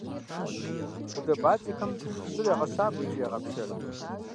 Гъудэбадзэхэм щӀыр ягъэщабэ икӏи ягъэпшэр.